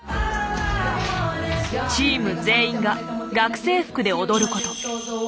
チーム全員がええ。